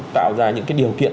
tạo ra những cái điều kiện